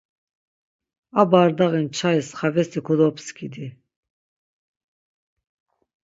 A bardaği nçais xavesi kodopskidi.